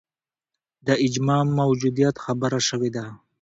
د اجماع موجودیت خبره شوې ده